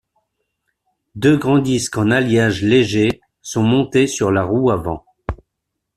Deux grands disques en alliage léger sont montés sur la roue avant.